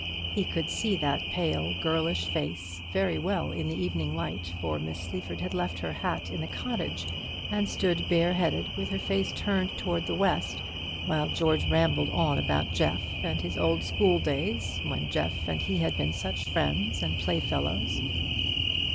He could see that pale girlish face very well in the evening light, for Miss Sleaford had left her hat in the cottage, and stood bareheaded, with her face turned towards the west, while George rambled on about Jeff and his old school days, when Jeff and he had been such friends and playfellows.